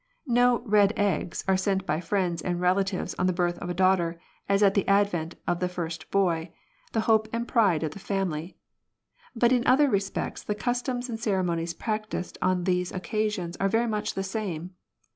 No red eggs are sent by friends and relatives on the birth of a daughter as at the advent of the first boy, the hope and pride of the fan^ily ; but in other respects the customs and ceremonies practised on these occasions are very much the same.